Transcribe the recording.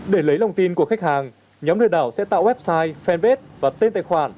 để lấy lòng tin của khách hàng nhóm lừa đảo sẽ tạo website fanpage và tên tài khoản